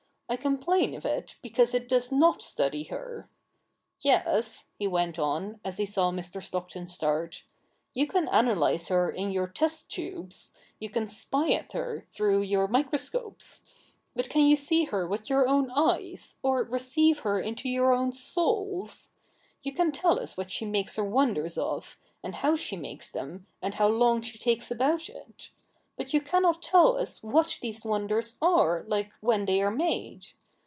I complain of it because it does not study her. Yes,' he went on, as he saw Mr. Stockton start, ' you can analyse her in your test tubes, you can spy at her through your microscopes ; but can you see her with your own eyes, or receive her into your own souls ? You can tell us what she makes her v>'onders of, and how she makes them, and how long she takes about it. But you cannot tell us what these wonders are like when they are made.